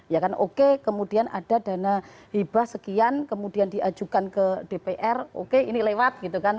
ya kan oke kemudian ada dana hibah sekian kemudian diajukan ke dpr oke ini lewat gitu kan